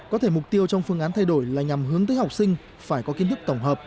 có thể mục tiêu trong phương án thay đổi là nhằm hướng tới học sinh phải có kiến thức tổng hợp